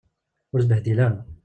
Ur sbehdil ara.